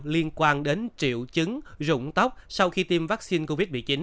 liên quan đến triệu chứng rụng tóc sau khi tiêm vaccine covid một mươi chín